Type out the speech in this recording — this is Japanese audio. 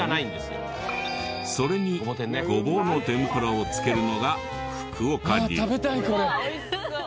それにごぼうの天ぷらをつけるのが福岡流。